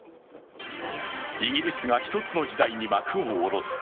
イギリスが１つの時代に幕を下ろす。